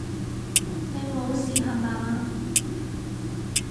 你無事吓嘛！